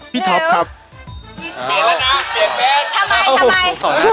พี่ท็อปครับนึกอ้าวทำไม